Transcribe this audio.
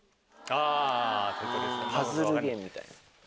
パズルゲームみたいな。